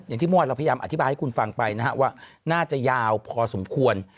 อย่างที่เมื่อวานเราพยายามอธิบายให้คุณฟังไปนะฮะว่าน่าจะยาวพอสมควร